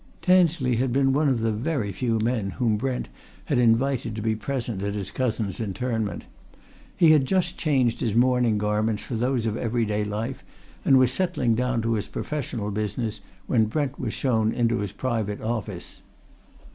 Tansley had been one of the very few men whom Brent had invited to be present at his cousin's interment. He had just changed his mourning garments for those of everyday life and was settling down to his professional business when Brent was shown into his private office.